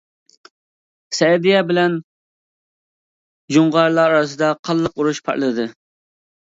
سەئىدىيە بىلەن جۇڭغارلار ئارىسىدا قانلىق ئۇرۇش پارتلىدى.